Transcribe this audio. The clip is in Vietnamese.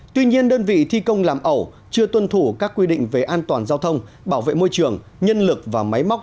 tuy nhiên đơn vị thi công làm ẩu chưa tuân thủ các quy định về an toàn giao thông bảo vệ môi trường nhân lực và máy móc